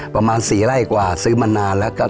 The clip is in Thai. ประมาณ๔ไร่กว่าซื้อมานานแล้วครับ